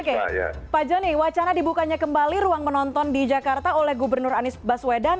oke pak joni wacana dibukanya kembali ruang menonton di jakarta oleh gubernur anies baswedan